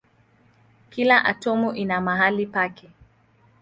Kila atomu ina mahali pake.